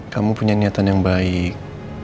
kamu punya niatan yang baik